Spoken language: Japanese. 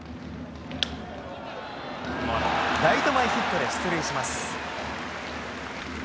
ライト前ヒットで出塁します。